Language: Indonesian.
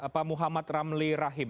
pak muhammad ramli rahim